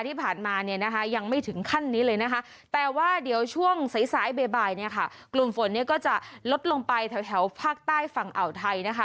ที่ผ่านมาเนี่ยนะคะยังไม่ถึงขั้นนี้เลยนะคะแต่ว่าเดี๋ยวช่วงวุฒิสายเบบายเนี่ยค่ะ